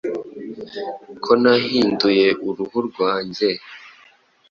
ko nahinduye uruhu rwanjye,